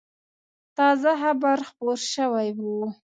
تازه خبر خپور شوی و.